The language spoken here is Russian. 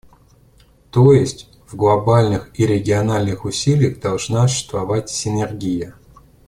То есть, в глобальных и региональных усилиях должна существовать синергия.